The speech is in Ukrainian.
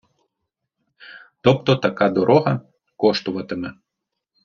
Тобто така дорога коштуватиме